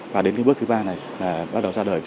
và đến cái bước thứ ba này là bắt đầu ra đời